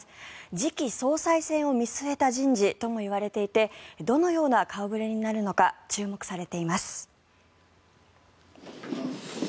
次期総裁選を見据えた人事ともいわれていてどのような顔触れになるのか注目されています。